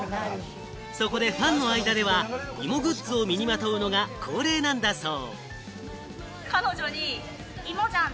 そこでファンの間では、芋グッズを身にまとうのが恒例なんだそう。